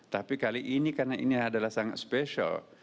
tapi kali ini karena ini adalah sangat spesial